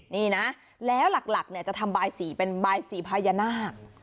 นี่นะแล้วหลักจะทำบายสีเป็นบายสีพญานาค